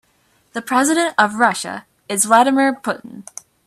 The president of Russia is Vladimir Putin.